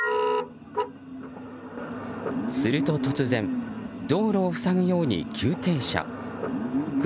すると突然道路を塞ぐように急停車。